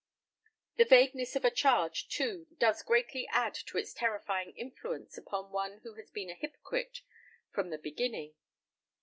The vagueness of a charge, too, does greatly add to its terrifying influence upon one who has been a hypocrite from the beginning.